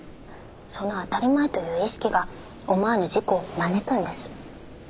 その当たり前という意識が思わぬ事故を招くんです。